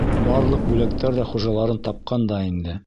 Барлыҡ бүләктәр ҙә хужаларын тапҡан да инде.